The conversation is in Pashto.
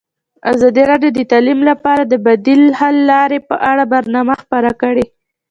ازادي راډیو د تعلیم لپاره د بدیل حل لارې په اړه برنامه خپاره کړې.